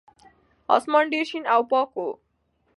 اسمان ډېر شین او پاک و.